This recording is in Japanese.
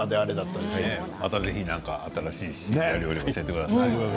また新しいお料理を教えてください。